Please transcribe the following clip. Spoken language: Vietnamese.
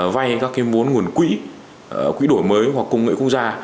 vay các nguồn quỹ quỹ đổi mới hoặc công nghệ quốc gia